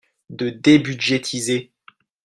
De débudgétiser.